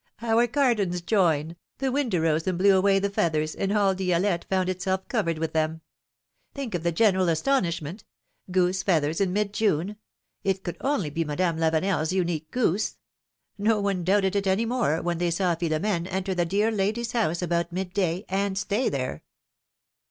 Our gardens join ; the wind arose and blew away the feathers, and all Di6lette found itself covered with them ! Think of the general astonishment ! Goose feathers in mid June! It could only be Madame Lavenefs unique goose. ISo one doubted it any more, when they saw Philom^ne enter the dear lady's house about mid day, and stay there."